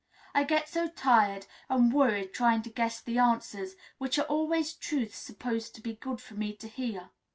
I get so tired and worried trying to guess the answers, which are always truths supposed to be good for me to hear.